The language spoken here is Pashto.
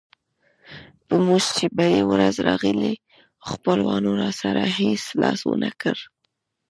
په موږ چې بدې ورځې راغلې خپلوانو راسره هېڅ لاس ونه کړ.